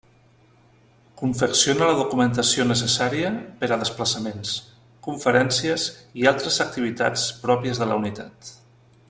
Confecciona la documentació necessària per a desplaçaments, conferències i altres activitats pròpies de la unitat.